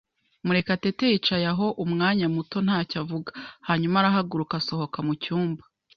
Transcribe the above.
Murekatete yicaye aho umwanya muto ntacyo avuga, hanyuma arahaguruka asohoka mu cyumba.